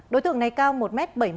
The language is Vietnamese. đối tượng này cao một m bảy mươi